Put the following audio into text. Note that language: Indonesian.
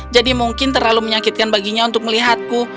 jadi mungkin terlalu menyakitkan baginya untuk melihatku